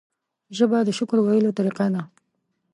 ژبه د شکر ویلو طریقه ده